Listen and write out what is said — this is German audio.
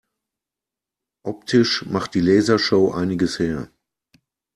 Optisch macht die Lasershow einiges her.